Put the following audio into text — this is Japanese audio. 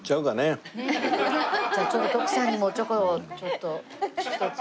じゃあちょっと徳さんにもおちょこをちょっと一つ。